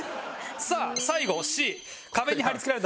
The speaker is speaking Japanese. さあ最後Ｃ。